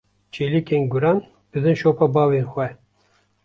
Çêlikên guran didin şopa bavên xwe.